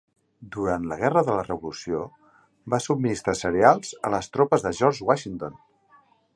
Durant la Guerra de la Revolució, va subministrar cereals a les tropes de George Washington.